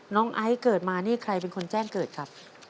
ไอซ์เกิดมานี่ใครเป็นคนแจ้งเกิดครับ